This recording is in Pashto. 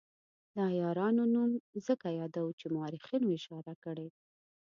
د عیارانو نوم ځکه یادوو چې مورخینو اشاره کړې.